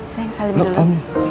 sayang salim dulu